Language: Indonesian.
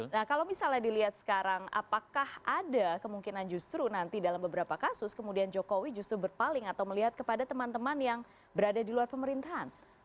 nah kalau misalnya dilihat sekarang apakah ada kemungkinan justru nanti dalam beberapa kasus kemudian jokowi justru berpaling atau melihat kepada teman teman yang berada di luar pemerintahan